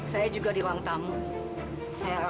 kerana datang panggilan